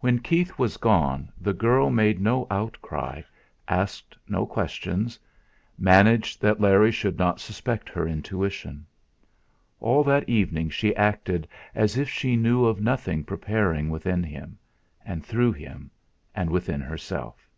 When Keith was gone the girl made no outcry, asked no questions, managed that Larry should not suspect her intuition; all that evening she acted as if she knew of nothing preparing within him, and through him, within herself.